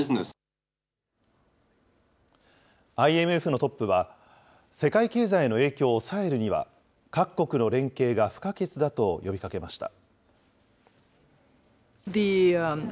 ＩＭＦのトップは、世界経済への影響を抑えるには、各国の連携が不可欠だと呼びかけました。